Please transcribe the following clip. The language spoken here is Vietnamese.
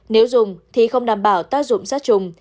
nếu dùng thì không đảm bảo tác dụng sát trùng